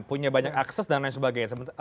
punya banyak akses dan lain sebagainya